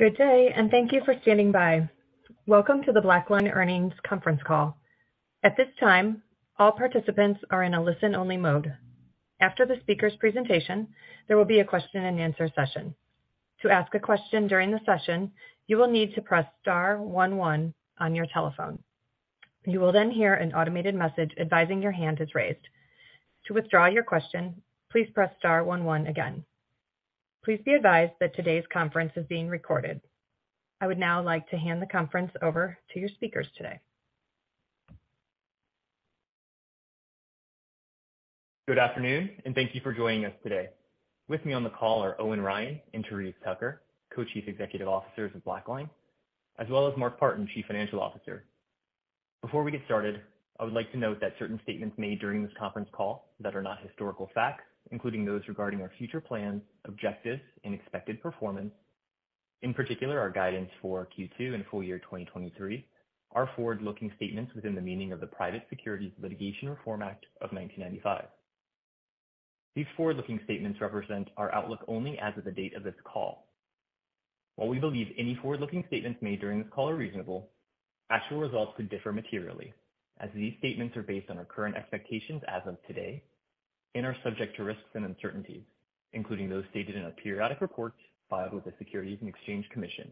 Good day. Thank you for standing by. Welcome to the BlackLine Earnings Conference Call. At this time, all participants are in a listen-only mode. After the speaker's presentation, there will be a question and answer session. To ask a question during the session, you will need to press star 11 on your telephone. You will hear an automated message advising your hand is raised. To withdraw your question, please press star 11 again. Please be advised that today's conference is being recorded. I would now like to hand the conference over to your speakers today. Good afternoon, and thank you for joining us today. With me on the call are Owen Ryan and Therese Tucker, Co-Chief Executive Officers of BlackLine, as well as Mark Partin, Chief Financial Officer. Before we get started, I would like to note that certain statements made during this conference call that are not historical facts, including those regarding our future plans, objectives, and expected performance, in particular, our guidance for Q2 and full year 2023 are forward-looking statements within the meaning of the Private Securities Litigation Reform Act of 1995. These forward-looking statements represent our outlook only as of the date of this call. While we believe any forward-looking statements made during this call are reasonable, actual results could differ materially as these statements are based on our current expectations as of today and are subject to risks and uncertainties, including those stated in our periodic reports filed with the Securities and Exchange Commission,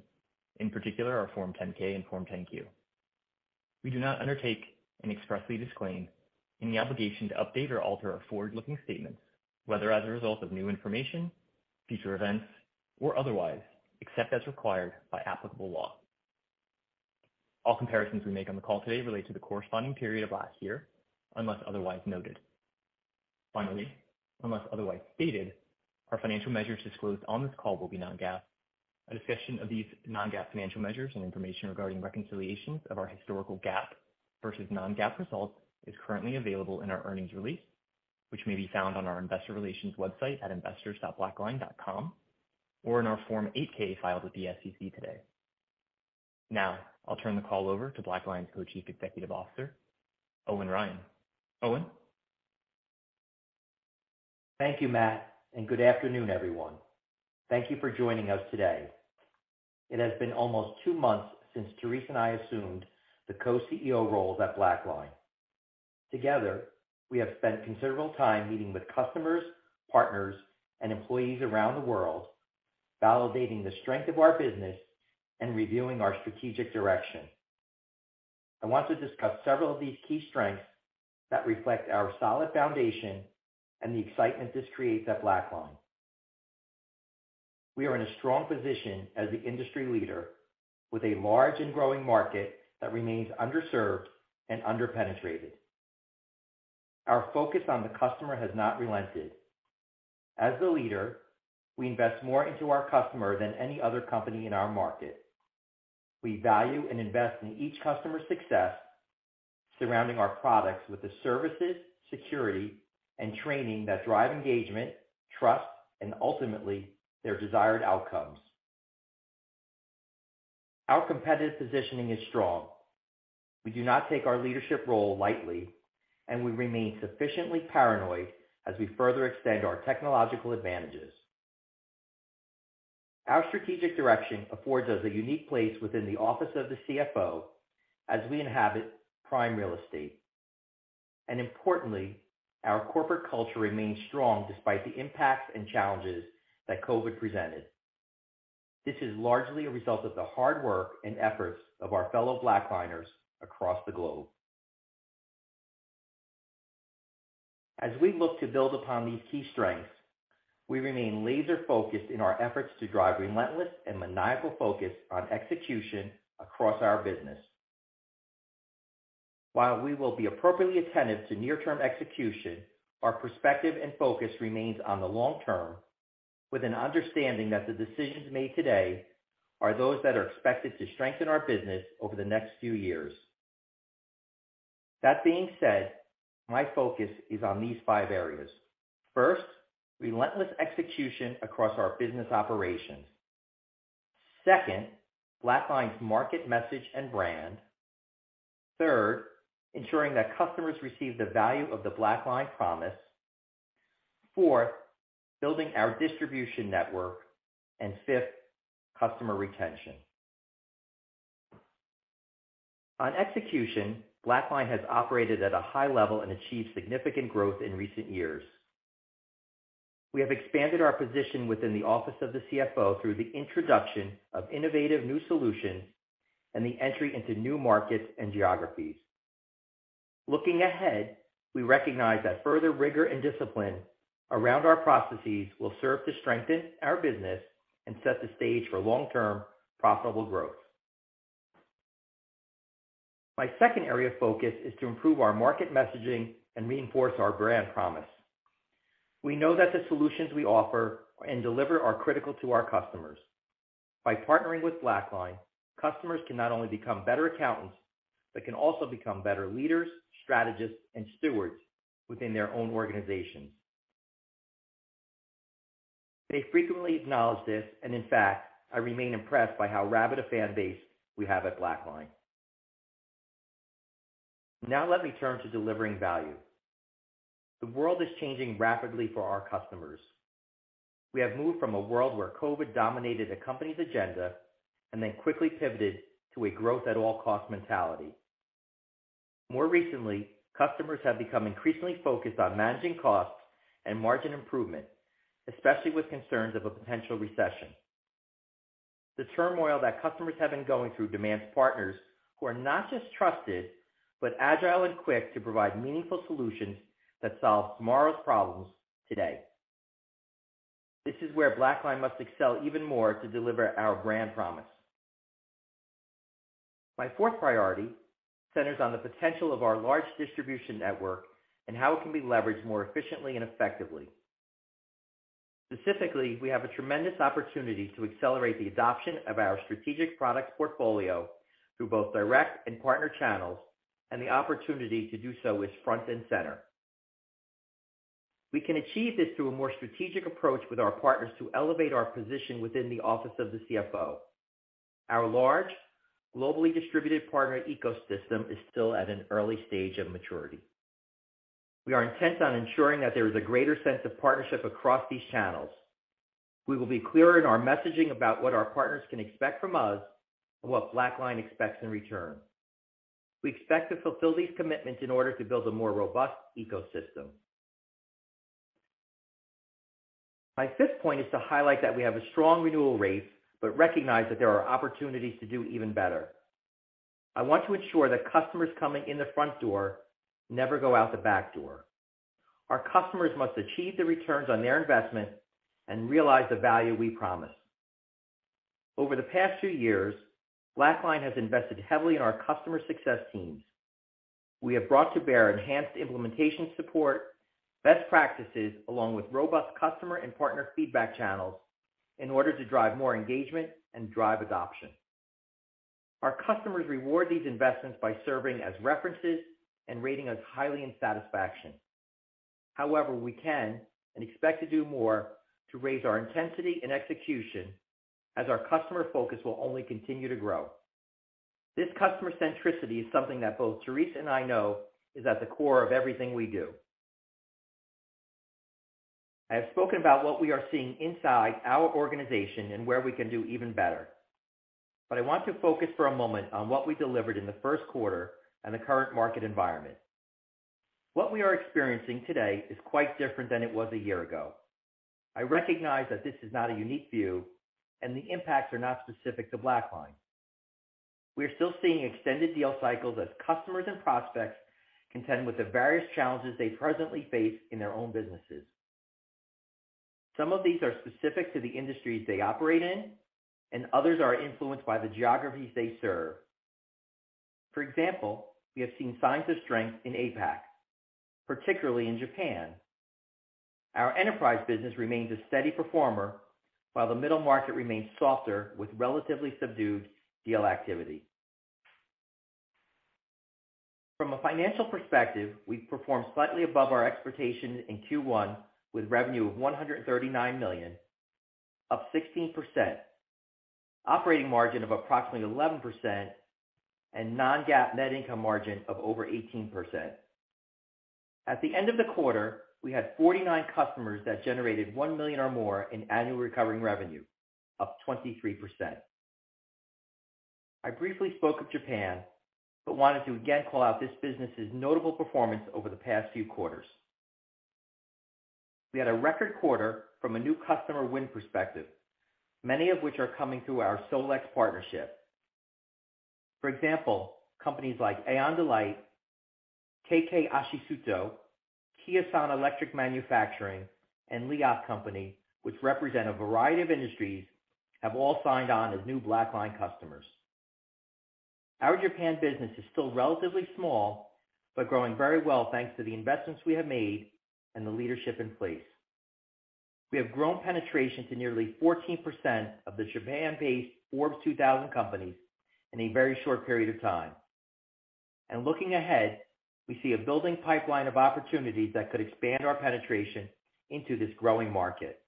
in particular our Form 10-K and Form 10-Q. We do not undertake and expressly disclaim any obligation to update or alter our forward-looking statements, whether as a result of new information, future events, or otherwise, except as required by applicable law. All comparisons we make on the call today relate to the corresponding period of last year, unless otherwise noted. Finally, unless otherwise stated, our financial measures disclosed on this call will be non-GAAP. A discussion of these non-GAAP financial measures and information regarding reconciliations of our historical GAAP versus non-GAAP results is currently available in our earnings release, which may be found on our investor relations website at investors.blackline.com or in our Form 8-K filed with the SEC today. I'll turn the call over to BlackLine's Co-Chief Executive Officer, Owen Ryan. Owen. Thank you, Matt. Good afternoon, everyone. Thank you for joining us today. It has been almost 2 months since Therese and I assumed the Co-CEO roles at BlackLine. Together, we have spent considerable time meeting with customers, partners, and employees around the world, validating the strength of our business and reviewing our strategic direction. I want to discuss several of these key strengths that reflect our solid foundation and the excitement this creates at BlackLine. We are in a strong position as the industry leader with a large and growing market that remains underserved and underpenetrated. Our focus on the customer has not relented. As the leader, we invest more into our customer than any other company in our market. We value and invest in each customer's success, surrounding our products with the services, security, and training that drive engagement, trust, and ultimately their desired outcomes. Our competitive positioning is strong. We do not take our leadership role lightly, and we remain sufficiently paranoid as we further extend our technological advantages. Our strategic direction affords us a unique place within the office of the CFO as we inhabit prime real estate. Importantly, our corporate culture remains strong despite the impacts and challenges that COVID presented. This is largely a result of the hard work and efforts of our fellow BlackLiners across the globe. As we look to build upon these key strengths, we remain laser-focused in our efforts to drive relentless and maniacal focus on execution across our business. While we will be appropriately attentive to near-term execution, our perspective and focus remains on the long term with an understanding that the decisions made today are those that are expected to strengthen our business over the next few years. That being said, my focus is on these five areas. First, relentless execution across our business operations. Second, BlackLine's market message and brand. Third, ensuring that customers receive the value of the BlackLine promise. Fourth, building our distribution network. Fifth, customer retention. On execution, BlackLine has operated at a high level and achieved significant growth in recent years. We have expanded our position within the office of the CFO through the introduction of innovative new solutions and the entry into new markets and geographies. Looking ahead, we recognize that further rigor and discipline around our processes will serve to strengthen our business and set the stage for long-term profitable growth. My second area of focus is to improve our market messaging and reinforce our brand promise. We know that the solutions we offer and deliver are critical to our customers. By partnering with BlackLine, customers can not only become better accountants, but can also become better leaders, strategists, and stewards within their own organizations. They frequently acknowledge this, and in fact, I remain impressed by how rabid a fan base we have at BlackLine. Let me turn to delivering value. The world is changing rapidly for our customers. We have moved from a world where COVID dominated a company's agenda, and then quickly pivoted to a growth at all cost mentality. More recently, customers have become increasingly focused on managing costs and margin improvement, especially with concerns of a potential recession. The turmoil that customers have been going through demands partners who are not just trusted, but agile and quick to provide meaningful solutions that solve tomorrow's problems today. This is where BlackLine must excel even more to deliver our brand promise. My fourth priority centers on the potential of our large distribution network and how it can be leveraged more efficiently and effectively. Specifically, we have a tremendous opportunity to accelerate the adoption of our strategic products portfolio through both direct and partner channels, and the opportunity to do so is front and center. We can achieve this through a more strategic approach with our partners to elevate our position within the office of the CFO. Our large, globally distributed partner ecosystem is still at an early stage of maturity. We are intent on ensuring that there is a greater sense of partnership across these channels. We will be clear in our messaging about what our partners can expect from us and what BlackLine expects in return. We expect to fulfill these commitments in order to build a more robust ecosystem. My fifth point is to highlight that we have a strong renewal rate, but recognize that there are opportunities to do even better. I want to ensure that customers coming in the front door never go out the back door. Our customers must achieve the returns on their investment and realize the value we promise. Over the past 2 years, BlackLine has invested heavily in our customer success teams. We have brought to bear enhanced implementation support, best practices, along with robust customer and partner feedback channels in order to drive more engagement and drive adoption. Our customers reward these investments by serving as references and rating us highly in satisfaction. However, we can and expect to do more to raise our intensity and execution as our customer focus will only continue to grow. This customer centricity is something that both Therese and I know is at the core of everything we do. I have spoken about what we are seeing inside our organization and where we can do even better, but I want to focus for a moment on what we delivered in the first quarter and the current market environment. What we are experiencing today is quite different than it was a year ago. I recognize that this is not a unique view and the impacts are not specific to BlackLine. We are still seeing extended deal cycles as customers and prospects contend with the various challenges they presently face in their own businesses. Some of these are specific to the industries they operate in, and others are influenced by the geographies they serve. For example, we have seen signs of strength in APAC, particularly in Japan. Our enterprise business remains a steady performer, while the middle market remains softer with relatively subdued deal activity. From a financial perspective, we've performed slightly above our expectations in Q1 with revenue of $139 million, up 16%, operating margin of approximately 11%, and non-GAAP net income margin of over 18%. At the end of the quarter, we had 49 customers that generated $1 million or more in annual recurring revenue, up 23%. I briefly spoke of Japan, wanted to again call out this business's notable performance over the past few quarters. We had a record quarter from a new customer win perspective, many of which are coming through our SolEx partnership. For example, companies like Aeon Delight, K.K. Ashisuto, Kyosan Electric Manufacturing, and LIAD Company, which represent a variety of industries, have all signed on as new BlackLine customers. Our Japan business is still relatively small, growing very well thanks to the investments we have made and the leadership in place. We have grown penetration to nearly 14% of the Japan-based Forbes 2000 companies in a very short period of time. Looking ahead, we see a building pipeline of opportunities that could expand our penetration into this growing market.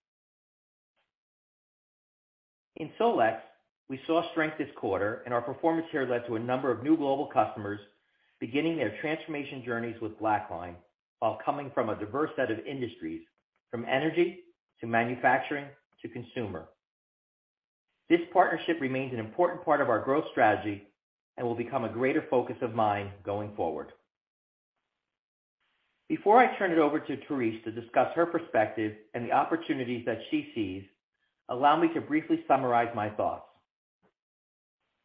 In SolEx, we saw strength this quarter, and our performance here led to a number of new global customers beginning their transformation journeys with BlackLine while coming from a diverse set of industries, from energy to manufacturing to consumer. This partnership remains an important part of our growth strategy and will become a greater focus of mine going forward. Before I turn it over to Therese to discuss her perspective and the opportunities that she sees, allow me to briefly summarize my thoughts.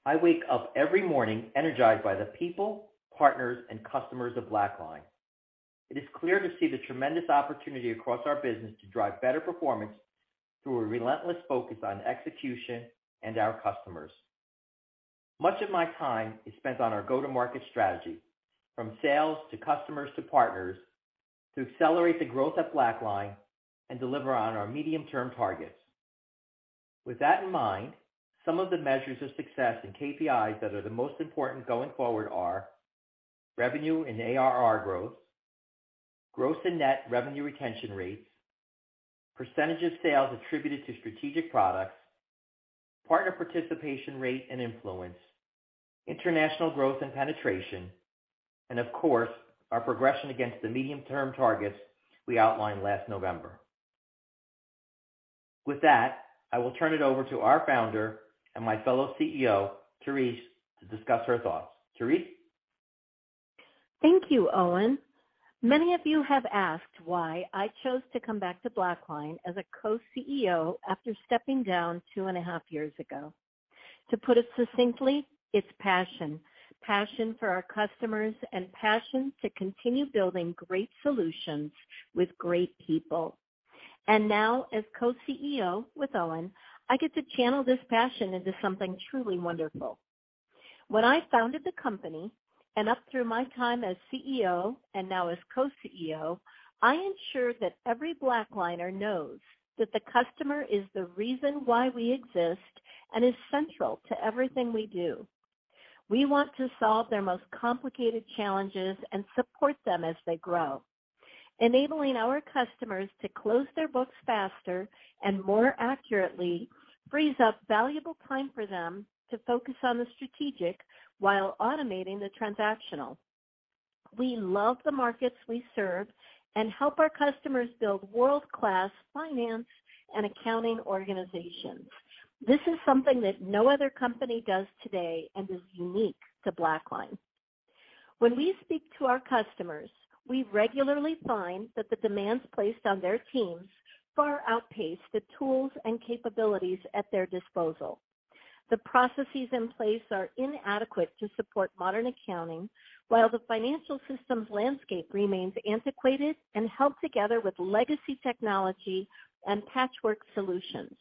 I wake up every morning energized by the people, partners, and customers of BlackLine. It is clear to see the tremendous opportunity across our business to drive better performance through a relentless focus on execution and our customers. Much of my time is spent on our go-to-market strategy, from sales to customers to partners, to accelerate the growth at BlackLine and deliver on our medium-term targets. With that in mind, some of the measures of success and KPIs that are the most important going forward are revenue and ARR growth. Gross and net revenue retention rates, percentage of sales attributed to strategic products, partner participation rate and influence, international growth and penetration, and of course, our progression against the medium-term targets we outlined last November. With that, I will turn it over to our founder and my fellow CEO, Therese, to discuss her thoughts. Therese? Thank you, Owen. Many of you have asked why I chose to come back to BlackLine as a co-CEO after stepping down two and a half years ago. To put it succinctly, it's passion. Passion for our customers and passion to continue building great solutions with great people. Now, as co-CEO with Owen, I get to channel this passion into something truly wonderful. When I founded the company and up through my time as CEO and now as co-CEO, I ensure that every BlackLiner knows that the customer is the reason why we exist and is central to everything we do. We want to solve their most complicated challenges and support them as they grow. Enabling our customers to close their books faster and more accurately frees up valuable time for them to focus on the strategic while automating the transactional. We love the markets we serve and help our customers build world-class finance and accounting organizations. This is something that no other company does today and is unique to BlackLine. When we speak to our customers, we regularly find that the demands placed on their teams far outpace the tools and capabilities at their disposal. The processes in place are inadequate to support modern accounting, while the financial systems landscape remains antiquated and held together with legacy technology and patchwork solutions.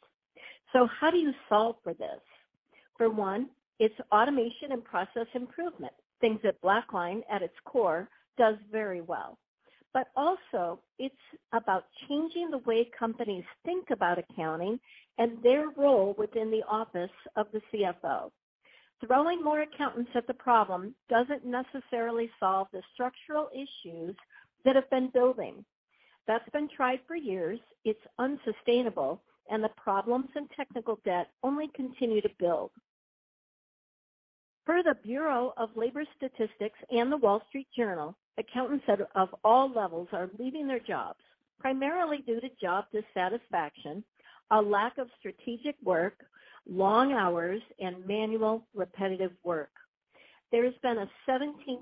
How do you solve for this? For one, it's automation and process improvement, things that BlackLine, at its core, does very well. Also it's about changing the way companies think about accounting and their role within the office of the CFO. Throwing more accountants at the problem doesn't necessarily solve the structural issues that have been building. That's been tried for years. It's unsustainable. The problems and technical debt only continue to build. Per the Bureau of Labor Statistics and The Wall Street Journal, accountants of all levels are leaving their jobs, primarily due to job dissatisfaction, a lack of strategic work, long hours, and manual repetitive work. There has been a 17%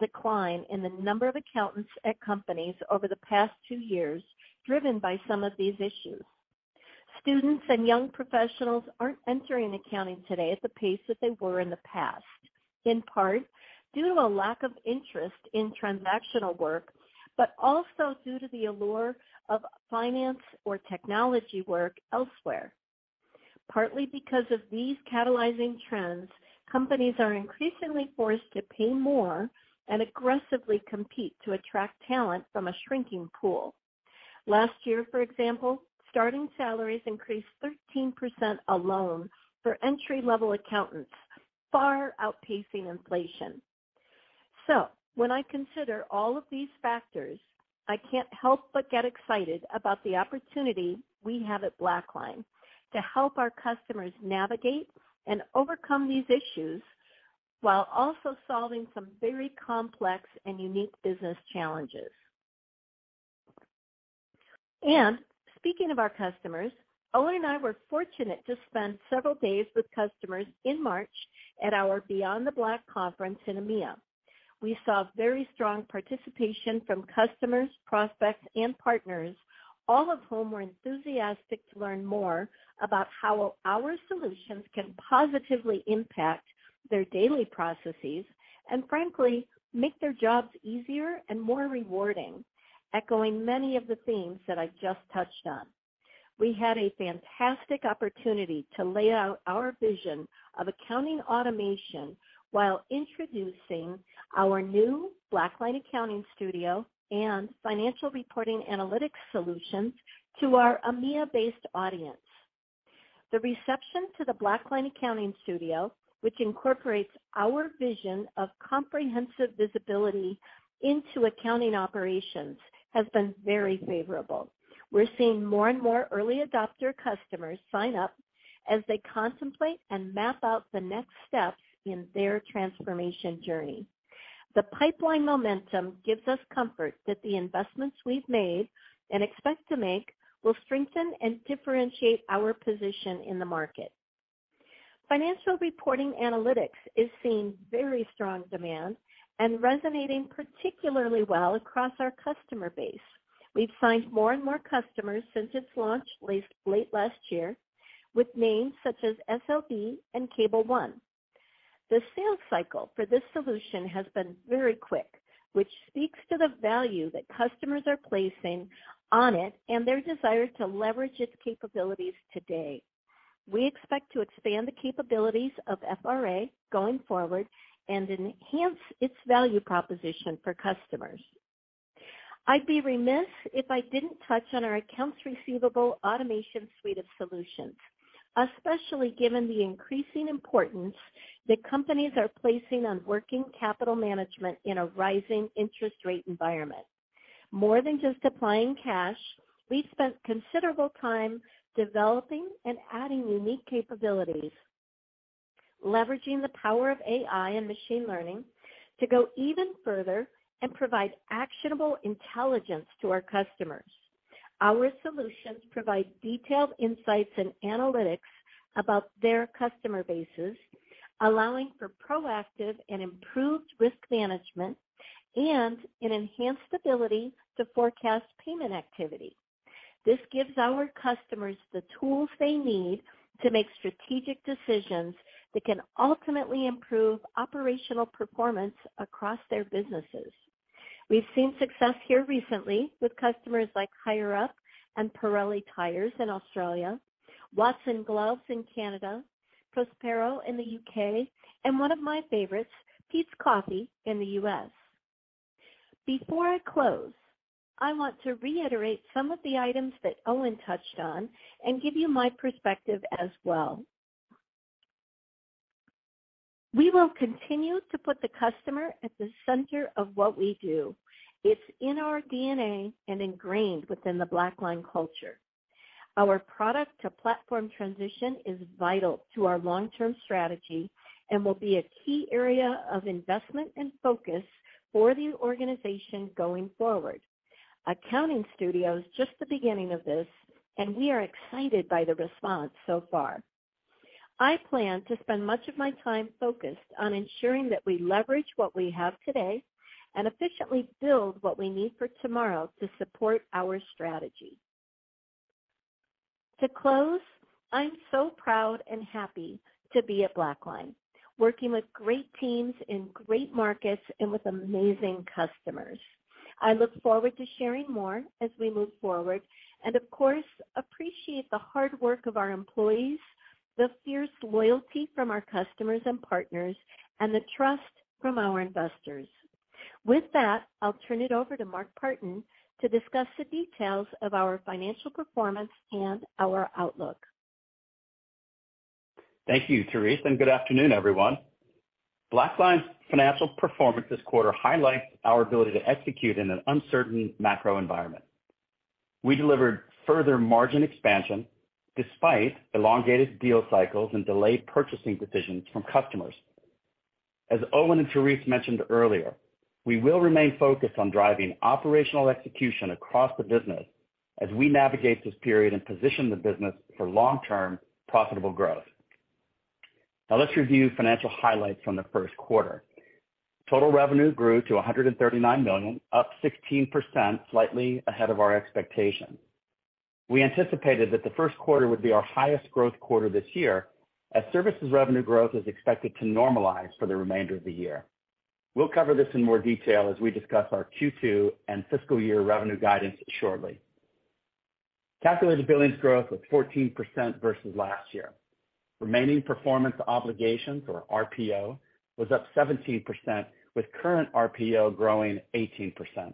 decline in the number of accountants at companies over the past two years, driven by some of these issues. Students and young professionals aren't entering accounting today at the pace that they were in the past, in part due to a lack of interest in transactional work, but also due to the allure of finance or technology work elsewhere. Partly because of these catalyzing trends, companies are increasingly forced to pay more and aggressively compete to attract talent from a shrinking pool. Last year, for example, starting salaries increased 13% alone for entry-level accountants, far outpacing inflation. When I consider all of these factors, I can't help but get excited about the opportunity we have at BlackLine to help our customers navigate and overcome these issues while also solving some very complex and unique business challenges. Speaking of our customers, Owen and I were fortunate to spend several days with customers in March at our BeyondTheBlack conference in EMEA. We saw very strong participation from customers, prospects, and partners, all of whom were enthusiastic to learn more about how our solutions can positively impact their daily processes and frankly, make their jobs easier and more rewarding, echoing many of the themes that I just touched on. We had a fantastic opportunity to lay out our vision of accounting automation while introducing our new BlackLine Accounting Studio and Financial Reporting Analytics solutions to our EMEA-based audience. The reception to the BlackLine Accounting Studio, which incorporates our vision of comprehensive visibility into accounting operations, has been very favorable. We're seeing more and more early adopter customers sign up as they contemplate and map out the next steps in their transformation journey. The pipeline momentum gives us comfort that the investments we've made and expect to make will strengthen and differentiate our position in the market. Financial Reporting Analytics is seeing very strong demand and resonating particularly well across our customer base. We've signed more and more customers since its launch late last year with names such as SLB and Cable One. The sales cycle for this solution has been very quick, which speaks to the value that customers are placing on it and their desire to leverage its capabilities today. We expect to expand the capabilities of FRA going forward and enhance its value proposition for customers. I'd be remiss if I didn't touch on our accounts receivable automation suite of solutions. Especially given the increasing importance that companies are placing on working capital management in a rising interest rate environment. More than just applying cash, we spent considerable time developing and adding unique capabilities, leveraging the power of AI and machine learning to go even further and provide actionable intelligence to our customers. Our solutions provide detailed insights and analytics about their customer bases, allowing for proactive and improved risk management and an enhanced ability to forecast payment activity. This gives our customers the tools they need to make strategic decisions that can ultimately improve operational performance across their businesses. We've seen success here recently with customers like Hireup and Pirelli Tires in Australia, Watson Gloves in Canada, Prospero in the UK, and one of my favorites, Peet's Coffee in the US. Before I close, I want to reiterate some of the items that Owen touched on and give you my perspective as well. We will continue to put the customer at the center of what we do. It's in our DNA and ingrained within the BlackLine culture. Our product to platform transition is vital to our long-term strategy and will be a key area of investment and focus for the organization going forward. Accounting Studio is just the beginning of this, and we are excited by the response so far. I plan to spend much of my time focused on ensuring that we leverage what we have today and efficiently build what we need for tomorrow to support our strategy. To close, I'm so proud and happy to be at BlackLine, working with great teams in great markets and with amazing customers. I look forward to sharing more as we move forward and of course, appreciate the hard work of our employees, the fierce loyalty from our customers and partners, and the trust from our investors. I'll turn it over to Mark Partin to discuss the details of our financial performance and our outlook. Thank you, Therese, and good afternoon, everyone. BlackLine's financial performance this quarter highlights our ability to execute in an uncertain macro environment. We delivered further margin expansion despite elongated deal cycles and delayed purchasing decisions from customers. As Owen and Therese mentioned earlier, we will remain focused on driving operational execution across the business as we navigate this period and position the business for long-term profitable growth. Now let's review financial highlights from the first quarter. Total revenue grew to $139 million, up 16%, slightly ahead of our expectations. We anticipated that the first quarter would be our highest growth quarter this year, as services revenue growth is expected to normalize for the remainder of the year. We'll cover this in more detail as we discuss our Q2 and fiscal year revenue guidance shortly. Calculated billings growth was 14% versus last year. Remaining performance obligations, or RPO, was up 17%, with current RPO growing 18%.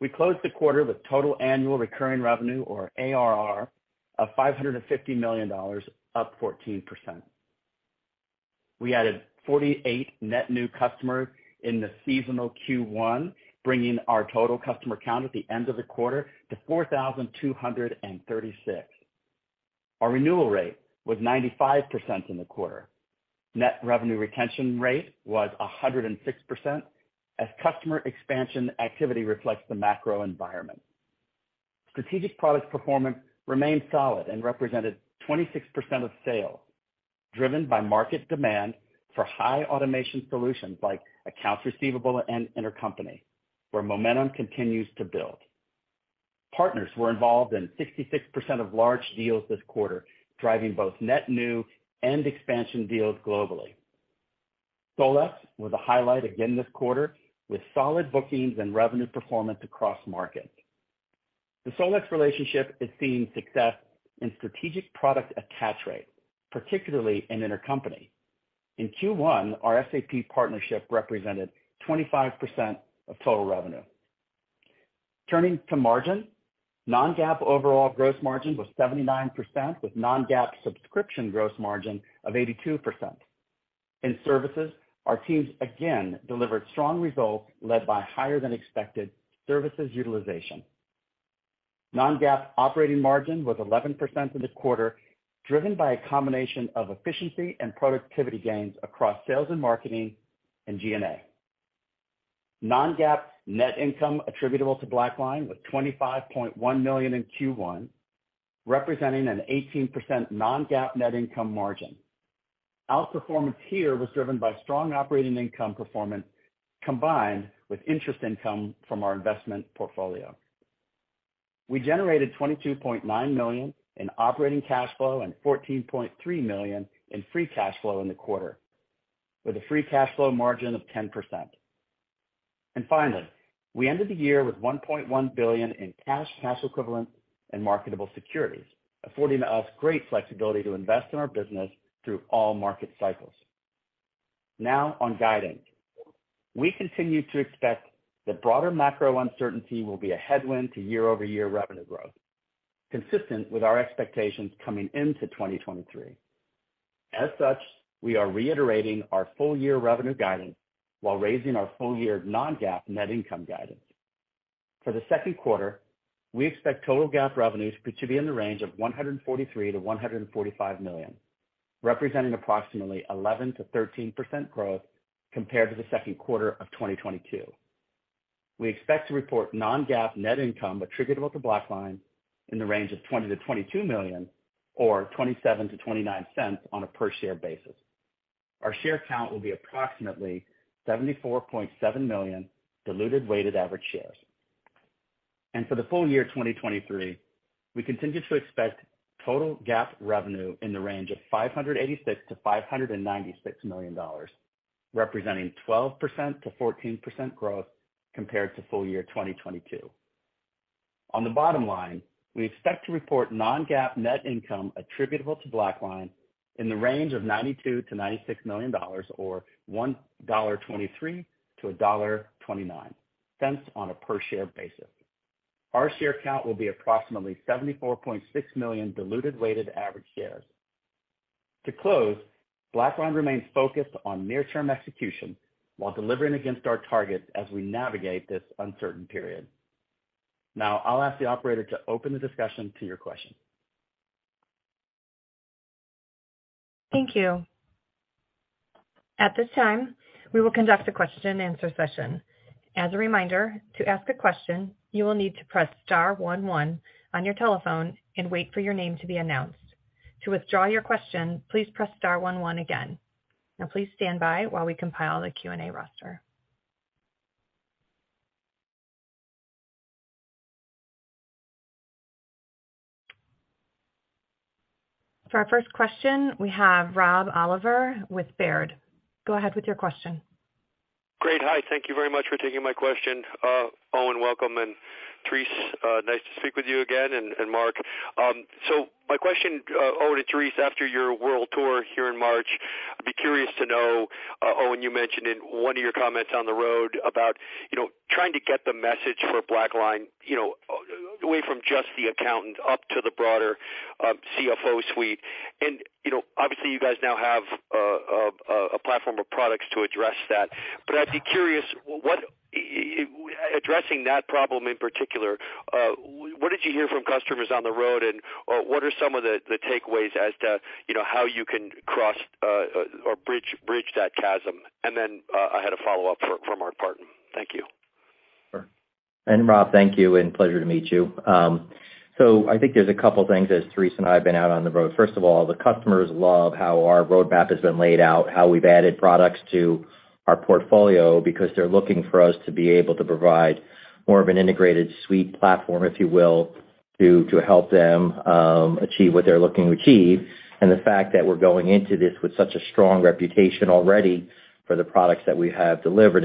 We closed the quarter with total annual recurring revenue, or ARR, of $550 million, up 14%. We added 48 net new customers in the seasonal Q1, bringing our total customer count at the end of the quarter to 4,236. Our renewal rate was 95% in the quarter. Net revenue retention rate was 106%, as customer expansion activity reflects the macro environment. Strategic products performance remained solid and represented 26% of sale, driven by market demand for high automation solutions like accounts receivable and intercompany, where momentum continues to build. Partners were involved in 66% of large deals this quarter, driving both net new and expansion deals globally. SOLEX was a highlight again this quarter with solid bookings and revenue performance across markets. The SOLEX relationship is seeing success in strategic product attach rate, particularly in intercompany. In Q1, our SAP partnership represented 25% of total revenue. Turning to margin, non-GAAP overall gross margin was 79%, with non-GAAP subscription gross margin of 82%. In services, our teams again delivered strong results led by higher than expected services utilization. Non-GAAP operating margin was 11% in the quarter, driven by a combination of efficiency and productivity gains across sales and marketing and G&A. Non-GAAP net income attributable to BlackLine was $25.1 million in Q1, representing an 18% non-GAAP net income margin. Outperformance here was driven by strong operating income performance combined with interest income from our investment portfolio. We generated $22.9 million in operating cash flow and $14.3 million in free cash flow in the quarter, with a free cash flow margin of 10%. Finally, we ended the year with $1.1 billion in cash equivalents, and marketable securities, affording us great flexibility to invest in our business through all market cycles. On guidance. We continue to expect that broader macro uncertainty will be a headwind to year-over-year revenue growth, consistent with our expectations coming into 2023. As such, we are reiterating our full year revenue guidance while raising our full year non-GAAP net income guidance. For the second quarter, we expect total GAAP revenues to be in the range of $143 million-$145 million, representing approximately 11%-13% growth compared to the second quarter of 2022. We expect to report non-GAAP net income attributable to BlackLine in the range of $20 million-$22 million or $0.27-$0.29 on a per share basis. Our share count will be approximately 74.7 million diluted weighted average shares. For the full year 2023, we continue to expect total GAAP revenue in the range of $586 million-$596 million, representing 12%-14% growth compared to full year 2022. On the bottom line, we expect to report non-GAAP net income attributable to BlackLine in the range of $92 million-$96 million or $1.23-$1.29 on a per share basis. Our share count will be approximately 74.6 million diluted weighted average shares. To close, BlackLine remains focused on near-term execution while delivering against our targets as we navigate this uncertain period. I'll ask the operator to open the discussion to your questions. Thank you. At this time, we will conduct a question-and-answer session. As a reminder, to ask a question, you will need to press star 11 on your telephone and wait for your name to be announced. To withdraw your question, please press star 11 again. Now please stand by while we compile the Q&A roster. For our first question, we have Rob Oliver with Baird. Go ahead with your question. Great. Hi, thank you very much for taking my question. Owen, welcome. Therese, nice to speak with you again, and Mark. My question, Owen and Therese, after your world tour here in March, I'd be curious to know, Owen, you mentioned in one of your comments on the road about, you know, trying to get the message for BlackLine, you know, away from just the accountant up to the broader CFO suite. You know, obviously you guys now have a platform of products to address that. I'd be curious addressing that problem in particular, what did you hear from customers on the road, and what are some of the takeaways as to, you know, how you can cross or bridge that chasm? I had a follow-up from Mark Partin. Thank you. Rob, thank you and pleasure to meet you. I think there's a couple things as Therese and I have been out on the road. First of all, the customers love how our roadmap has been laid out, how we've added products to our portfolio, because they're looking for us to be able to provide more of an integrated suite platform, if you will, to help them achieve what they're looking to achieve. The fact that we're going into this with such a strong reputation already for the products that we have delivered.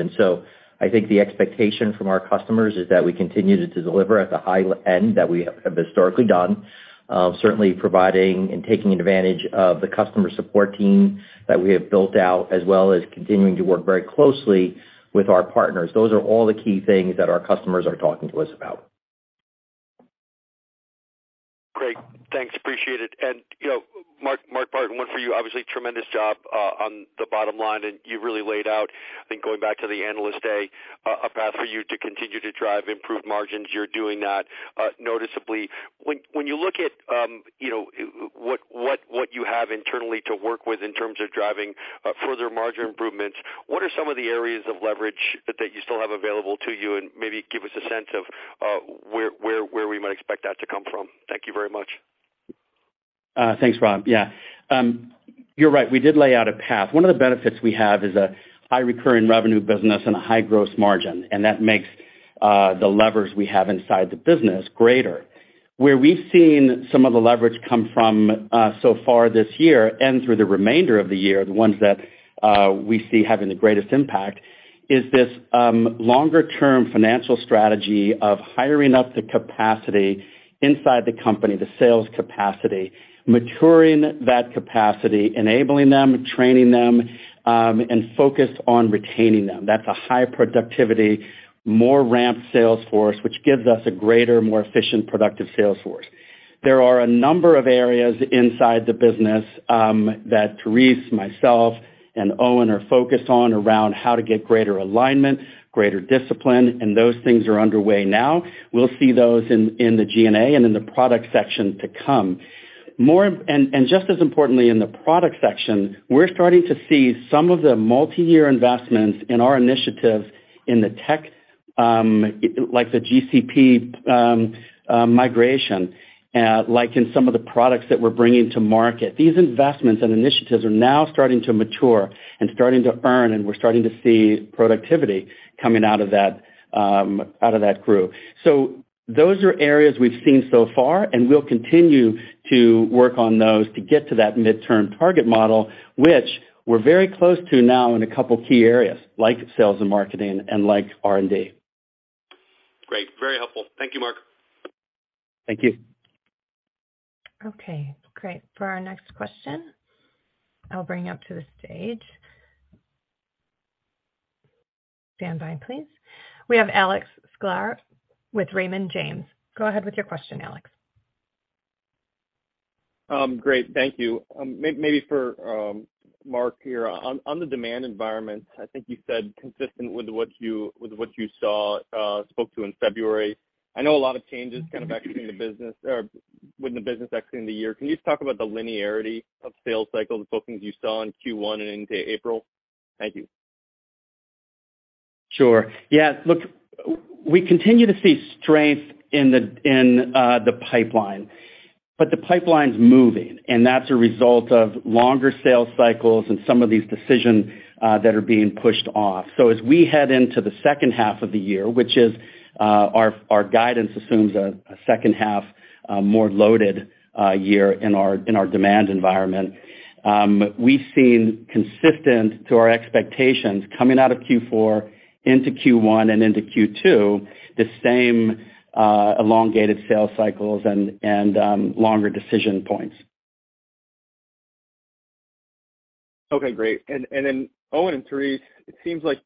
I think the expectation from our customers is that we continue to deliver at the high end that we have historically done, certainly providing and taking advantage of the customer support team that we have built out, as well as continuing to work very closely with our partners. Those are all the key things that our customers are talking to us about. Great. Thanks. Appreciate it. You know, Mark Partin, one for you, obviously, tremendous job on the bottom line. You really laid out, I think, going back to the analyst day, a path for you to continue to drive improved margins. You're doing that noticeably. When you look at, you know, what you have internally to work with in terms of driving further margin improvements, what are some of the areas of leverage that you still have available to you? Maybe give us a sense of where we might expect that to come from. Thank you very much. Thanks, Rob. Yeah, you're right, we did lay out a path. One of the benefits we have is a high recurring revenue business and a high gross margin, and that makes the levers we have inside the business greater. Where we've seen some of the leverage come from so far this year and through the remainder of the year, the ones that we see having the greatest impact is this longer-term financial strategy of hiring up the capacity inside the company, the sales capacity, maturing that capacity, enabling them, training them, and focused on retaining them. That's a high productivity, more ramped sales force, which gives us a greater, more efficient, productive sales force. There are a number of areas inside the business that Therese, myself, and Owen are focused on around how to get greater alignment, greater discipline, and those things are underway now. We'll see those in the G&A and in the product section to come. Just as importantly, in the product section, we're starting to see some of the multiyear investments in our initiatives in the tech, like the GCP migration, like in some of the products that we're bringing to market. These investments and initiatives are now starting to mature and starting to earn, and we're starting to see productivity coming out of that out of that group. Those are areas we've seen so far, and we'll continue to work on those to get to that midterm target model, which we're very close to now in a couple key areas, like sales and marketing and like R&D. Very helpful. Thank you, Mark. Thank you. Okay, great. For our next question, I'll bring you up to the stage. Standby, please. We have Alex Sklar with Raymond James. Go ahead with your question, Alex. Great, thank you. Maybe for Mark here. On the demand environment, I think you said consistent with what you saw, spoke to in February. I know a lot of changes kind of exiting the business or with the business exiting the year. Can you just talk about the linearity of sales cycles, bookings you saw in Q1 and into April? Thank you. Sure. Yeah, look, we continue to see strength in the pipeline. The pipeline's moving. That's a result of longer sales cycles and some of these decisions that are being pushed off. As we head into the second half of the year, which is our guidance assumes a second half more loaded year in our demand environment, we've seen consistent to our expectations coming out of Q4 into Q1 and into Q2, the same elongated sales cycles and longer decision points. Okay, great. Owen and Therese, it seems like,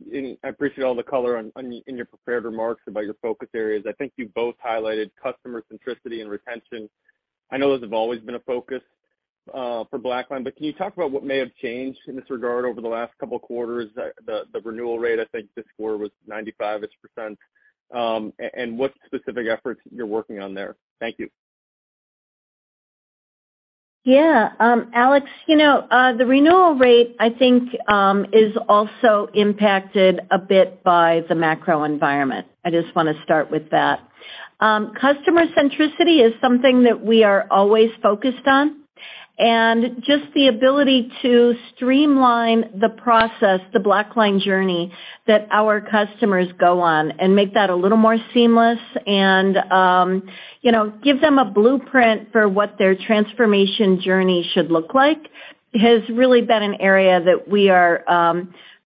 I appreciate all the color in your prepared remarks about your focus areas. I think you both highlighted customer centricity and retention. I know those have always been a focus for BlackLine, can you talk about what may have changed in this regard over the last couple of quarters? The renewal rate, I think, this quarter was 95%-ish, and what specific efforts you're working on there? Thank you. Yeah. Alex, you know, the renewal rate, I think, is also impacted a bit by the macro environment. I just wanna start with that. Customer centricity is something that we are always focused on. Just the ability to streamline the process, the BlackLine journey that our customers go on and make that a little more seamless and, you know, give them a blueprint for what their transformation journey should look like, has really been an area that we are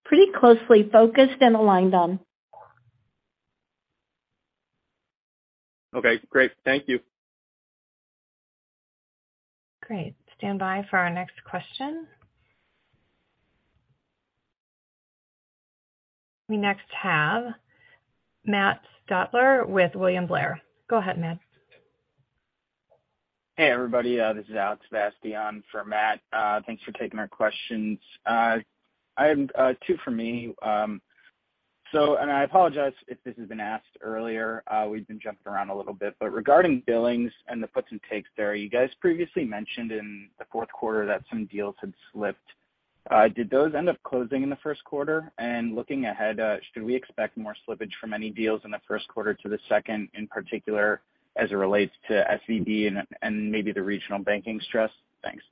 pretty closely focused and aligned on. Okay, great. Thank you. Great. Stand by for our next question. We next have Matt Stutler with William Blair. Go ahead, Matt. Hey, everybody. This is Alex Zukin for Matt. Thanks for taking our questions. I have 2 for me. I apologize if this has been asked earlier, we've been jumping around a little bit, but regarding billings and the puts and takes there, you guys previously mentioned in the fourth quarter that some deals had slipped. Did those end up closing in the first quarter? Looking ahead, should we expect more slippage from any deals in the first quarter to the second, in particular as it relates to SVB and maybe the regional banking stress? Thanks.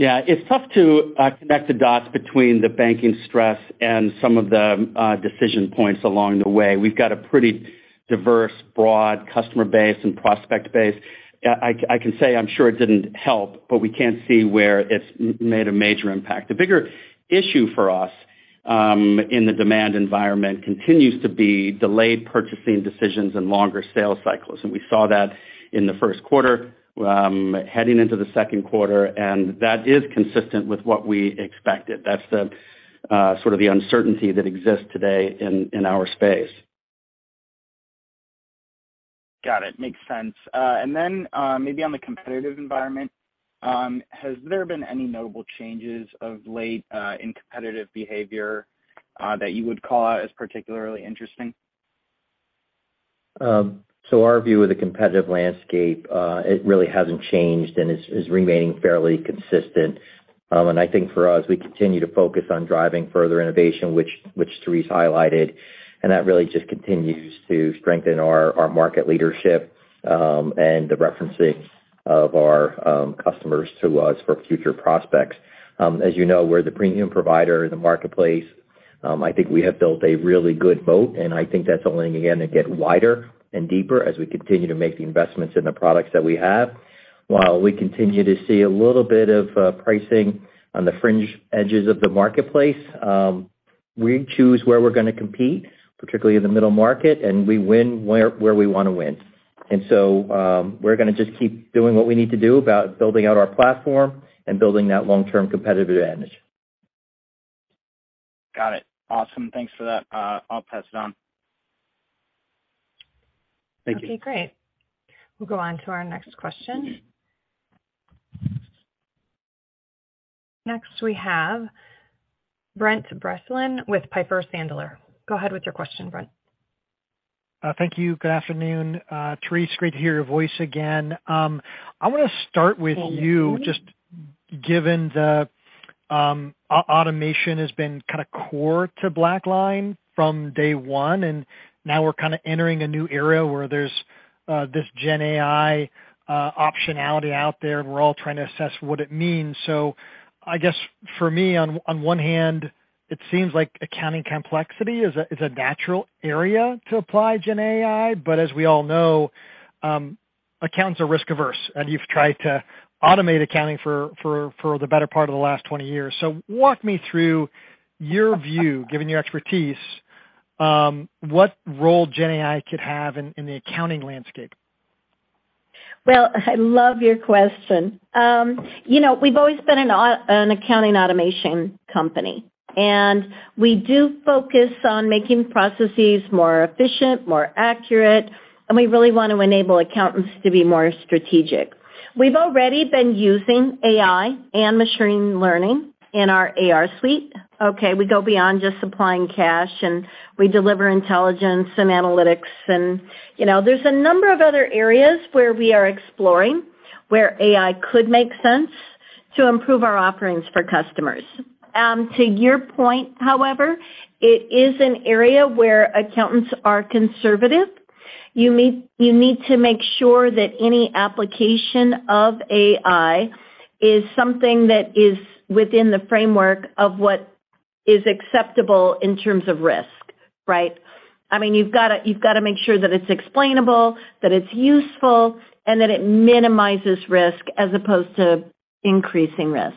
Yeah. It's tough to connect the dots between the banking stress and some of the decision points along the way. We've got a pretty diverse, broad customer base and prospect base. I can say I'm sure it didn't help, but we can't see where it's made a major impact. The bigger issue for us in the demand environment continues to be delayed purchasing decisions and longer sales cycles. We saw that in the first quarter, heading into the second quarter, and that is consistent with what we expected. That's the sort of the uncertainty that exists today in our space. Got it. Makes sense. Maybe on the competitive environment, has there been any notable changes of late, in competitive behavior, that you would call out as particularly interesting? Our view of the competitive landscape, it really hasn't changed and is remaining fairly consistent. I think for us, we continue to focus on driving further innovation, which Therese highlighted, and that really just continues to strengthen our market leadership and the referencing of our customers to us for future prospects. As you know, we're the premium provider in the marketplace. I think we have built a really good moat, and I think that's only gonna get wider and deeper as we continue to make the investments in the products that we have. While we continue to see a little bit of pricing on the fringe edges of the marketplace, we choose where we're gonna compete, particularly in the middle market, and we win where we wanna win. We're gonna just keep doing what we need to do about building out our platform and building that long-term competitive advantage. Got it. Awesome. Thanks for that. I'll pass it on. Thank you. Okay, great. We'll go on to our next question. Next, we have Brent Bracelin with Piper Sandler. Go ahead with your question, Brent. Thank you. Good afternoon. Therese, great to hear your voice again. I wanna start with you just given the automation has been kinda core to BlackLine from day one, and now we're kinda entering a new era where there's this GenAI optionality out there, and we're all trying to assess what it means. I guess for me, on one hand, it seems like accounting complexity is a natural area to apply GenAI, but as we all know, Accountants are risk averse, and you've tried to automate accounting for the better part of the last 20 years. Walk me through your view, given your expertise, what role GenAI could have in the accounting landscape. Well, I love your question. you know, we've always been an accounting automation company, We do focus on making processes more efficient, more accurate, and we really wanna enable accountants to be more strategic. We've already been using AI and machine learning in our AR suite, okay? We go beyond just supplying cash, we deliver intelligence and analytics and, you know. There's a number of other areas where we are exploring, where AI could make sense to improve our offerings for customers. To your point, however, it is an area where accountants are conservative. You need to make sure that any application of AI is something that is within the framework of what is acceptable in terms of risk, right? I mean, you've gotta make sure that it's explainable, that it's useful, and that it minimizes risk as opposed to increasing risk.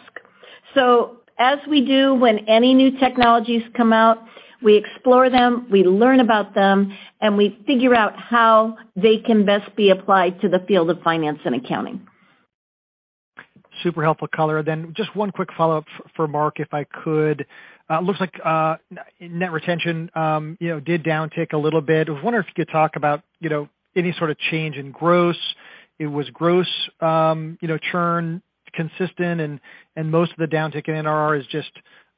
As we do when any new technologies come out, we explore them, we learn about them, and we figure out how they can best be applied to the field of finance and accounting. Super helpful color. Just one quick follow-up for Mark, if I could. It looks like net retention, you know, did downtick a little bit. I was wondering if you could talk about, you know, any sort of change in gross? It was gross, you know, churn consistent and most of the downtick in NRR is just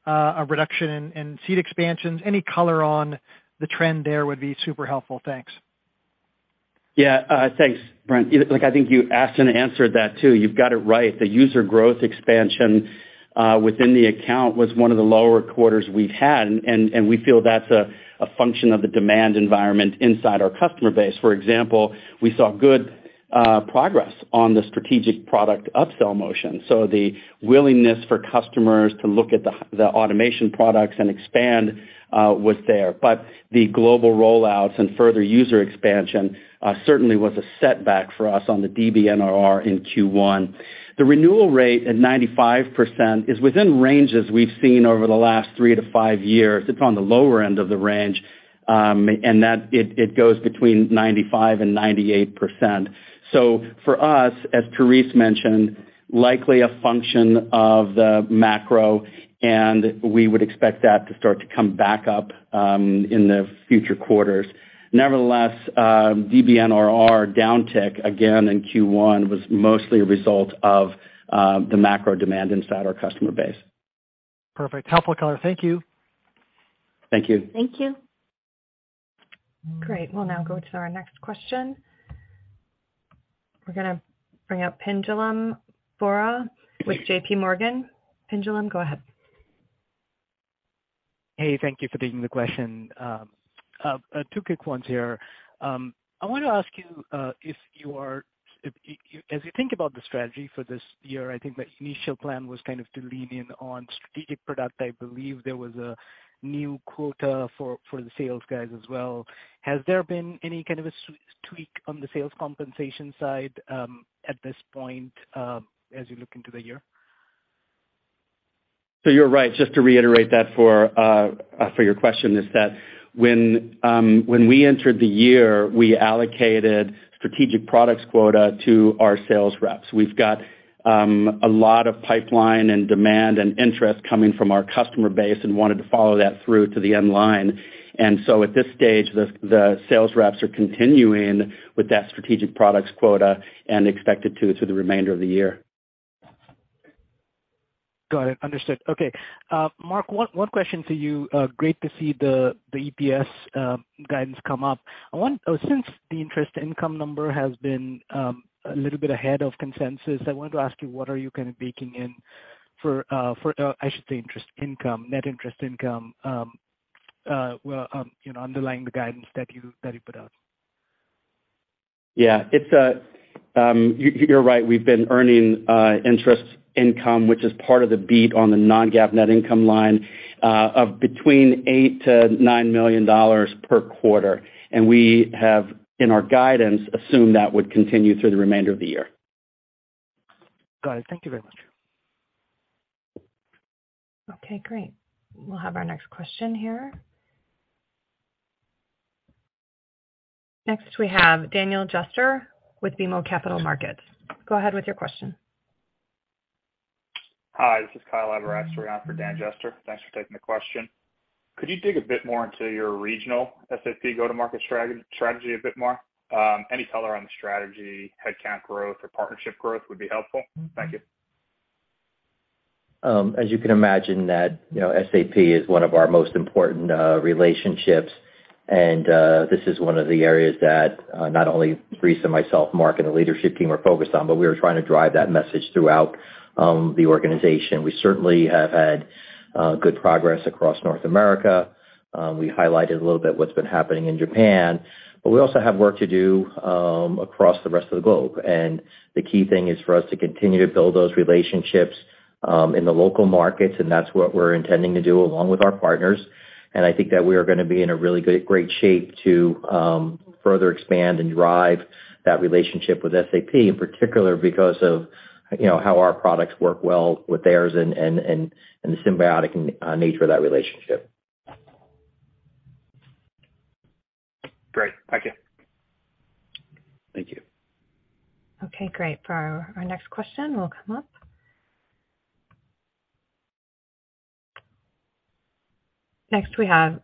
a reduction in seat expansions? Any color on the trend there would be super helpful. Thanks. Yeah. Thanks, Brent. Like, I think you asked and answered that too. You've got it right. The user growth expansion within the account was one of the lower quarters we've had, and we feel that's a function of the demand environment inside our customer base. For example, we saw good progress on the strategic product upsell motion. The willingness for customers to look at the automation products and expand was there. The global rollouts and further user expansion certainly was a setback for us on the DBNRR in Q1. The renewal rate at 95% is within ranges we've seen over the last 3-5 years. It's on the lower end of the range, and that it goes between 95% and 98%. For us, as Therese mentioned, likely a function of the macro, and we would expect that to start to come back up in the future quarters. Nevertheless, DBNRR downtick again in Q1 was mostly a result of the macro demand inside our customer base. Perfect. Helpful color. Thank you. Thank you. Thank you. Great. We'll now go to our next question. We're gonna bring up Pinjalim Bora with J.P. Morgan. Pinjalim, go ahead. Hey, thank you for taking the question. Two quick ones here. I wanna ask you as you think about the strategy for this year, I think the initial plan was kind of to lean in on strategic product. I believe there was a new quota for the sales guys as well. Has there been any kind of a tweak on the sales compensation side at this point as you look into the year? You're right. Just to reiterate that for your question is that when we entered the year, we allocated strategic products quota to our sales reps. We've got a lot of pipeline and demand and interest coming from our customer base and wanted to follow that through to the end line. At this stage, the sales reps are continuing with that strategic products quota and expected to through the remainder of the year. Got it. Understood. Okay. Mark, one question for you. Great to see the EPS guidance come up. Since the interest income number has been a little bit ahead of consensus, I wanted to ask you, what are you kind of baking in for, I should say interest income, net interest income, well, you know, underlying the guidance that you, that you put out? Yeah. You're right, we've been earning interest income, which is part of the beat on the non-GAAP net income line, of between $8 million-$9 million per quarter. We have, in our guidance, assumed that would continue through the remainder of the year. Got it. Thank you very much. Okay, great. We'll have our next question here. Next, we have Daniel Jester with BMO Capital Markets. Go ahead with your question. Hi, this is Kyle Aberasturi on for Dan Jester. Thanks for taking the question. Could you dig a bit more into your regional SAP go-to-market strategy a bit more? Any color on the strategy, headcount growth or partnership growth would be helpful. Thank you. As you can imagine that, you know, SAP is one of our most important relationships. This is one of the areas that not only Therese and myself, Mark, and the leadership team are focused on, but we are trying to drive that message throughout the organization. We certainly have had good progress across North America. We highlighted a little bit what's been happening in Japan, but we also have work to do across the rest of the globe. The key thing is for us to continue to build those relationships in the local markets, and that's what we're intending to do along with our partners. I think that we are gonna be in a really good, great shape to, further expand and drive that relationship with SAP in particular because of, you know, how our products work well with theirs and the symbiotic nature of that relationship. Great. Thank you. Thank you. Okay, great. For our next question, we'll come up. Next, we have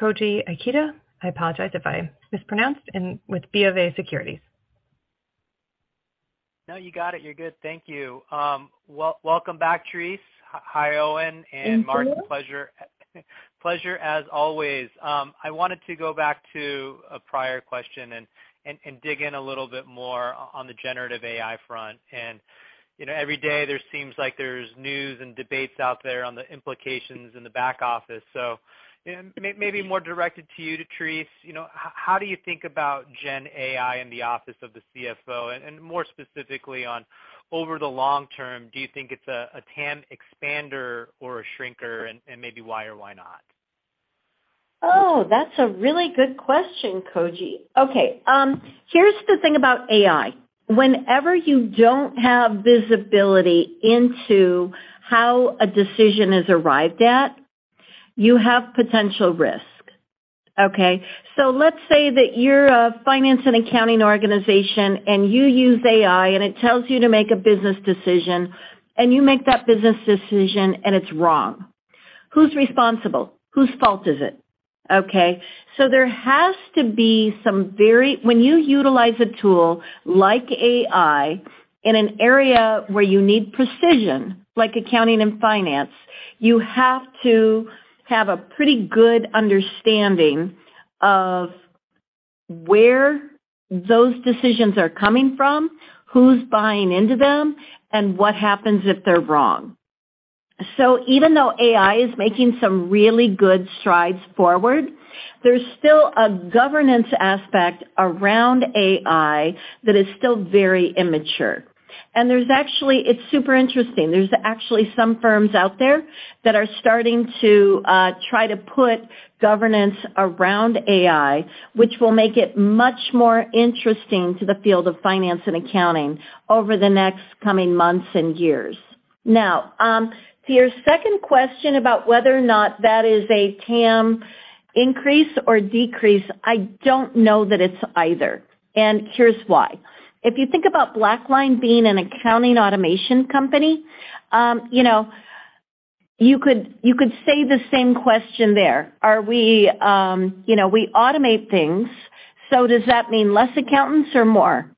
Koji Ikeda, I apologize if I mispronounced, and with BofA Securities. No, you got it. You're good. Thank you. Welcome back, Therese. Hi, Owen. Thank you. Mark, pleasure as always. I wanted to go back to a prior question and dig in a little bit more on the generative AI front. You know, every day there seems like there's news and debates out there on the implications in the back office. Maybe more directed to Therese, you know, how do you think about GenAI in the office of the CFO? More specifically, over the long term, do you think it's a TAM expander or a shrinker? Maybe why or why not? Oh, that's a really good question, Koji. Okay. Here's the thing about AI. Whenever you don't have visibility into how a decision is arrived at, you have potential risk. Okay? Let's say that you're a finance and accounting organization, and you use AI, and it tells you to make a business decision, and you make that business decision and it's wrong. Who's responsible? Whose fault is it? Okay. There has to be some very... When you utilize a tool like AI in an area where you need precision, like accounting and finance, you have to have a pretty good understanding of where those decisions are coming from, who's buying into them, and what happens if they're wrong. Even though AI is making some really good strides forward, there's still a governance aspect around AI that is still very immature. It's super interesting. There's actually some firms out there that are starting to try to put governance around AI, which will make it much more interesting to the field of finance and accounting over the next coming months and years. To your second question about whether or not that is a TAM increase or decrease, I don't know that it's either, and here's why. If you think about BlackLine being an accounting automation company, you know, you could say the same question there. Are we, you know, we automate things, so does that mean less accountants or more?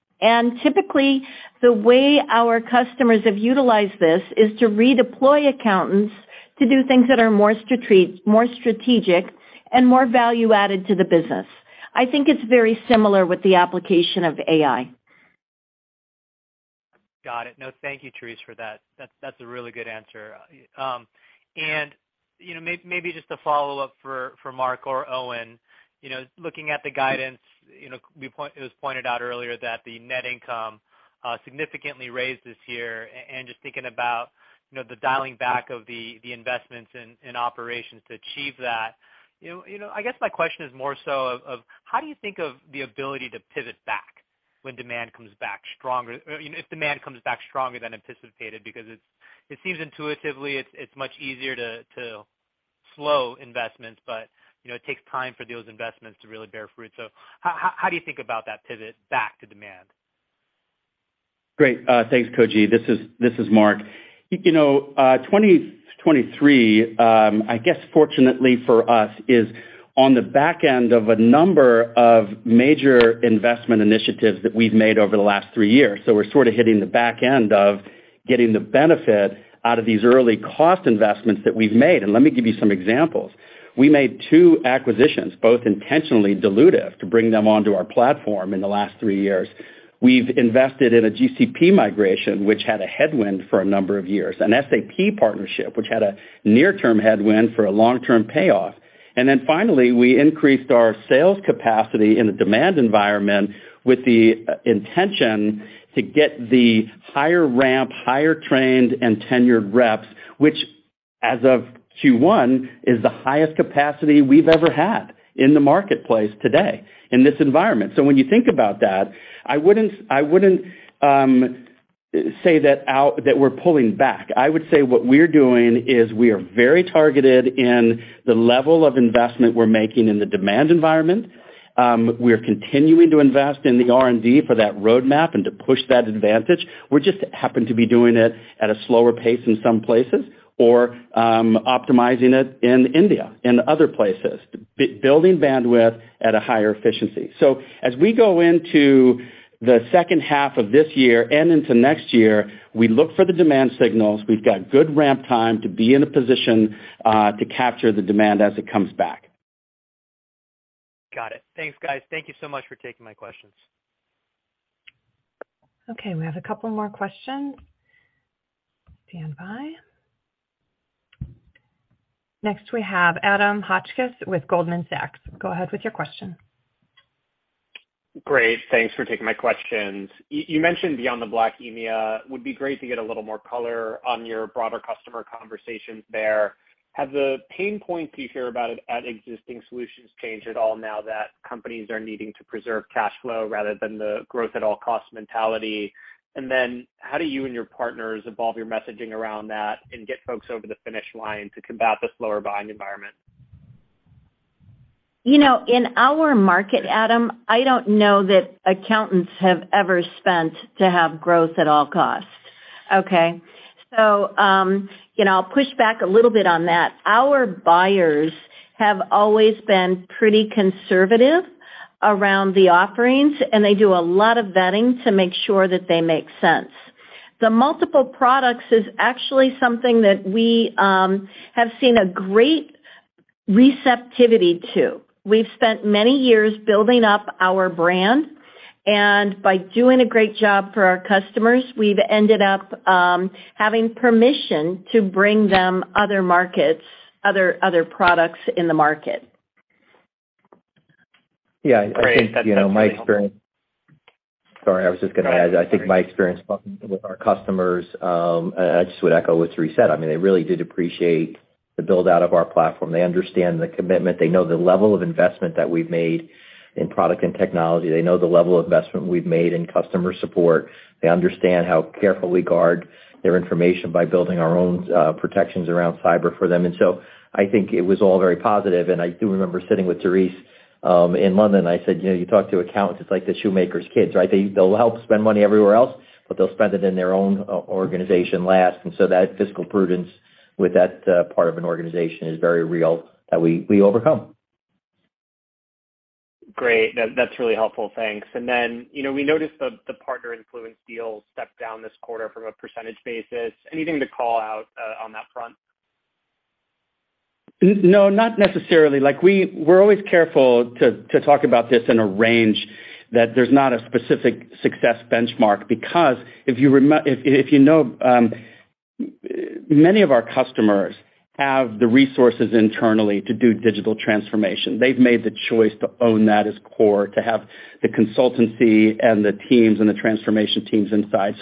Typically, the way our customers have utilized this is to redeploy accountants to do things that are more strategic and more value-added to the business. I think it's very similar with the application of AI. Got it. No, thank you, Therese, for that. That's a really good answer. You know, maybe just a follow-up for Mark or Owen. You know, looking at the guidance, you know, it was pointed out earlier that the net income significantly raised this year. Just thinking about, you know, the dialing back of the investments in operations to achieve that. You know, I guess my question is more so of how do you think of the ability to pivot back when demand comes back stronger, or, you know, if demand comes back stronger than anticipated? It seems intuitively it's much easier to slow investments, but, you know, it takes time for those investments to really bear fruit. How do you think about that pivot back to demand? Great. Thanks, Koji. This is Mark. You know, 2023, I guess fortunately for us, is on the back end of a number of major investment initiatives that we've made over the last three years. We're sort of hitting the back end of getting the benefit out of these early cost investments that we've made. Let me give you some examples. We made two acquisitions, both intentionally dilutive, to bring them onto our platform in the last three years. We've invested in a GCP migration, which had a headwind for a number of years. An SAP partnership, which had a near-term headwind for a long-term payoff. Finally, we increased our sales capacity in the demand environment with the intention to get the higher ramp, higher trained and tenured reps, which as of Q1, is the highest capacity we've ever had in the marketplace today in this environment. When you think about that, I wouldn't, I wouldn't say that we're pulling back. I would say what we're doing is we are very targeted in the level of investment we're making in the demand environment. We are continuing to invest in the R&D for that roadmap and to push that advantage. We just happen to be doing it at a slower pace in some places or optimizing it in India and other places, building bandwidth at a higher efficiency. As we go into the second half of this year and into next year, we look for the demand signals. We've got good ramp time to be in a position to capture the demand as it comes back. Got it. Thanks, guys. Thank you so much for taking my questions. Okay, we have a couple more questions. Standby. Next we have Adam Hotchkiss with Goldman Sachs. Go ahead with your question. Great. Thanks for taking my questions. You mentioned BeyondTheBlack EMEA, would be great to get a little more color on your broader customer conversations there. Have the pain points you hear about at existing solutions changed at all now that companies are needing to preserve cash flow rather than the growth at all cost mentality? How do you and your partners evolve your messaging around that and get folks over the finish line to combat the slower buying environment? You know, in our market, Adam, I don't know that accountants have ever spent to have growth at all costs, okay? You know, I'll push back a little bit on that. Our buyers have always been pretty conservative around the offerings, and they do a lot of vetting to make sure that they make sense. The multiple products is actually something that we have seen a great receptivity to. We've spent many years building up our brand, and by doing a great job for our customers, we've ended up having permission to bring them other markets, other products in the market. Great. That's really helpful. Yeah. I think, you know, my experience. Sorry, I was just gonna add, I think my experience talking with our customers, I just would echo what Therese said. I mean, they really did appreciate the build-out of our platform. They understand the commitment. They know the level of investment that we've made in product and technology. They know the level of investment we've made in customer support. They understand how careful we guard their information by building our own protections around cyber for them. I think it was all very positive, and I do remember sitting with Therese in London. I said, "You know, you talk to accountants, it's like the shoemaker's kids, right? They'll help spend money everywhere else, but they'll spend it in their own organization last." That fiscal prudence with that part of an organization is very real that we overcome. Great. That's really helpful. Thanks. Then, you know, we noticed the partner influence deal stepped down this quarter from a percentage basis. Anything to call out on that front? No, not necessarily. Like, we're always careful to talk about this in a range that there's not a specific success benchmark because if you know, many of our customers have the resources internally to do digital transformation. They've made the choice to own that as core, to have the consultancy and the teams and the transformation teams inside.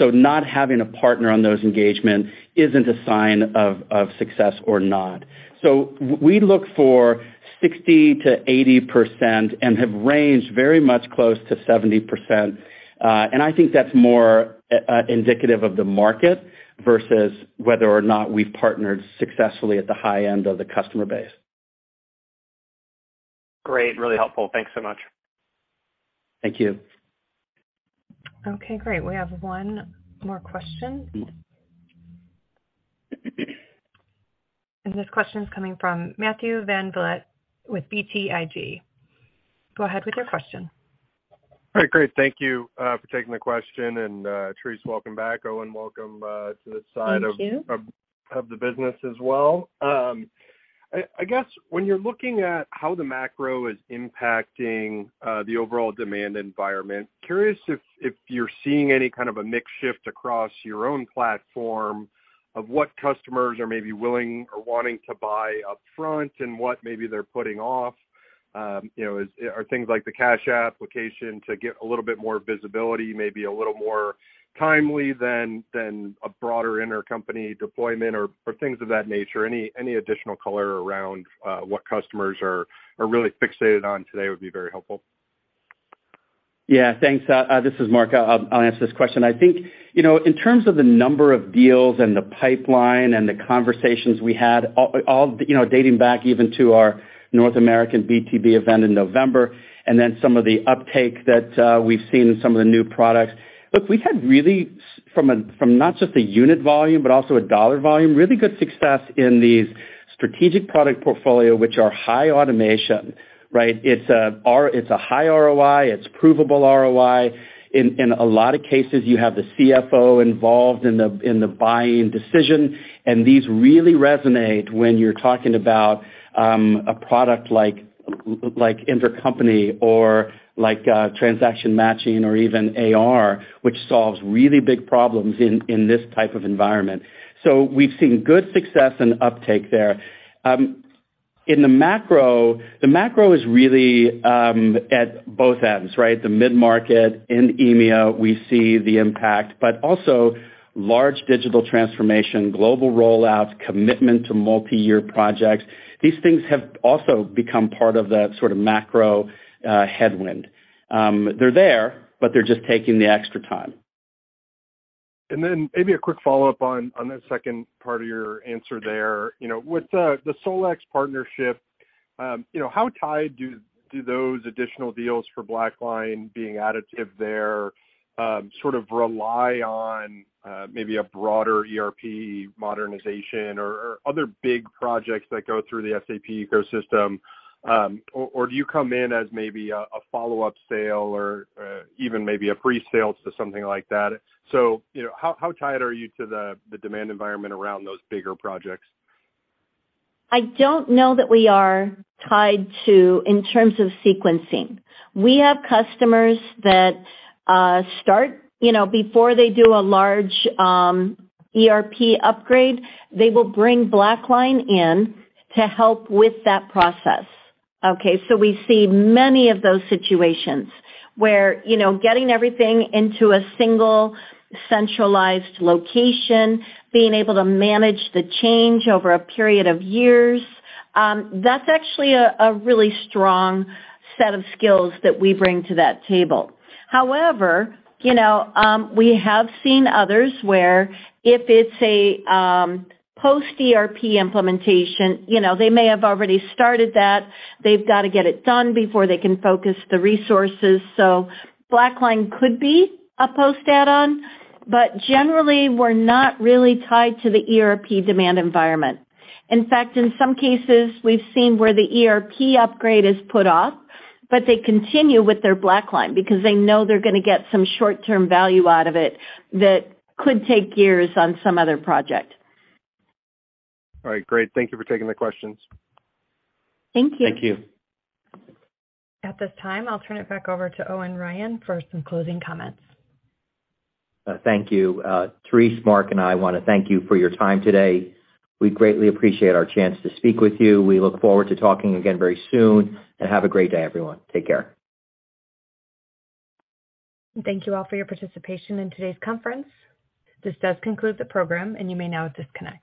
Not having a partner on those engagements isn't a sign of success or not. we look for 60%-80% and have ranged very much close to 70%. And I think that's more indicative of the market versus whether or not we've partnered successfully at the high end of the customer base. Great. Really helpful. Thanks so much. Thank you. Okay, great. We have one more question. This question is coming from Matthew VanVliet with BTIG. Go ahead with your question. All right, great. Thank you for taking the question. Therese, welcome back. Owen, welcome to this side. Thank you. of the business as well. I guess when you're looking at how the macro is impacting the overall demand environment, curious if you're seeing any kind of a mix shift across your own platform of what customers are maybe willing or wanting to buy up front and what maybe they're putting off. You know, are things like the cash application to get a little bit more visibility, maybe a little more timely than a broader intercompany deployment or things of that nature. Any additional color around what customers are really fixated on today would be very helpful. Yeah, thanks. This is Mark. I'll answer this question. I think, you know, in terms of the number of deals and the pipeline and the conversations we had, all, you know, dating back even to our North American BTB event in November and then some of the uptake that we've seen in some of the new products. Look, we've had really from a not just a unit volume, but also a dollar volume, really good success in these strategic product portfolio, which are high automation, right? It's a high ROI, it's provable ROI. In a lot of cases, you have the CFO involved in the buying decision. These really resonate when you're talking about a product like intercompany or like Transaction Matching or even AR, which solves really big problems in this type of environment. We've seen good success and uptake there. In the macro, the macro is really at both ends, right? The mid-market and EMEA, we see the impact, but also large digital transformation, global rollouts, commitment to multi-year projects. These things have also become part of that sort of macro headwind. They're there, they're just taking the extra time. Maybe a quick follow-up on the second part of your answer there. You know, with the SAP SolEx partnership, you know, how tied do those additional deals for BlackLine being additive there, sort of rely on, maybe a broader ERP modernization or other big projects that go through the SAP ecosystem? Or do you come in as maybe a follow-up sale or even maybe a pre-sale to something like that? You know, how tied are you to the demand environment around those bigger projects? I don't know that we are tied to in terms of sequencing. We have customers that start, you know, before they do a large ERP upgrade, they will bring BlackLine in to help with that process, okay? We see many of those situations where, you know, getting everything into a single centralized location, being able to manage the change over a period of years, that's actually a really strong set of skills that we bring to that table. However, you know, we have seen others where if it's a post-ERP implementation, you know, they may have already started that. They've got to get it done before they can focus the resources. BlackLine could be a post add-on, but generally, we're not really tied to the ERP demand environment. In fact, in some cases, we've seen where the ERP upgrade is put off, but they continue with their BlackLine because they know they're gonna get some short-term value out of it that could take years on some other project. All right, great. Thank you for taking the questions. Thank you. Thank you. At this time, I'll turn it back over to Owen Ryan for some closing comments. Thank you. Therese, Mark, and I wanna thank you for your time today. We greatly appreciate our chance to speak with you. We look forward to talking again very soon, and have a great day, everyone. Take care. Thank you all for your participation in today's conference. This does conclude the program, and you may now disconnect.